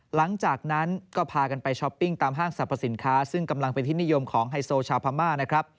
หลังจากนั้นก็พากันไปช้อปปิ้งตามห้างสรรพสินค้าซึ่งกำลังเป็นที่นิยมของไฮโซชาวพม่านะครับ